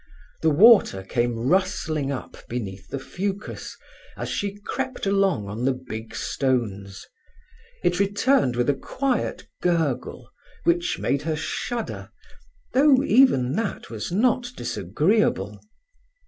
The water came rustling up beneath the fucus as she crept along on the big stones; it returned with a quiet gurgle which made her shudder, though even that was not disagreeable.